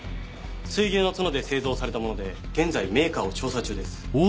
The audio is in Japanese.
水牛の角で製造されたもので現在メーカーを調査中です。